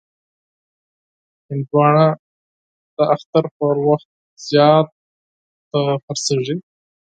هندوانه د اختر پر وخت زیات خرڅېږي.